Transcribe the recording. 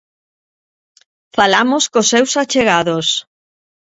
Falamos cos seus achegados.